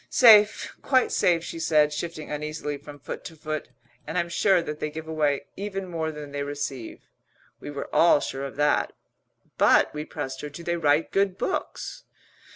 '" "Safe, quite safe," she said, shifting uneasily from foot to foot. "And I'm sure that they give away even more than they receive." We were all sure of that. "But," we pressed her, "do they write good books?"